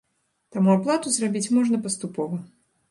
Таму аплату зрабіць можна паступова.